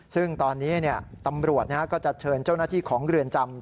ซึ่งตอนนี้ตำรวจก็จะเชิญเจ้าหน้าที่ของเรือนจำ